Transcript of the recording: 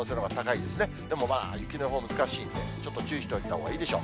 でもまあ、雪の予報難しいんで、ちょっと注意しといたほうがいいでしょう。